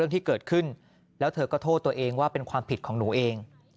ที่เกิดขึ้นแล้วเธอก็โทษตัวเองว่าเป็นความผิดของหนูเอง